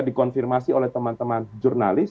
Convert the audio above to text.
dikonfirmasi oleh teman teman jurnalis